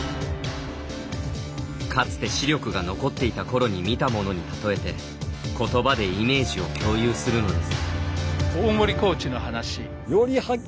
かつて視力が残っていたころに見たものにたとえてことばでイメージを共有するのです。